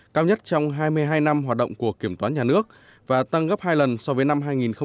cao nhất trong hai mươi hai năm hoạt động của kiểm toán nhà nước và tăng gấp hai lần so với năm hai nghìn một mươi